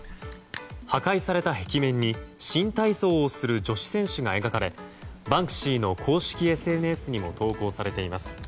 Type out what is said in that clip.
破壊された壁面に新体操をする女子選手が描かれバンクシーの公式ＳＮＳにも投稿されています。